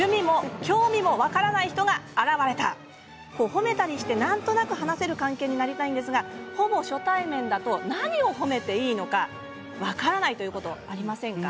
褒めたりして、なんとなく話せる関係になりたいんですがほぼ初対面だと何を褒めていいのか分からないということありませんか。